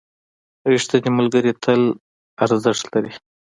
ریښتیني ملګري تل ارزښت لري.